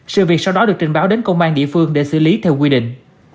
sự việc sau đó được trình báo đến công an địa phương để xử lý theo quy định